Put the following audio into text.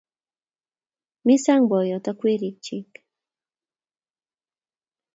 Mi sang' boyot ak werikyik.